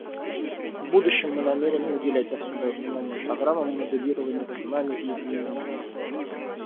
В будущем мы намерены уделять особое внимание программам моделирования цунами и изменения климата.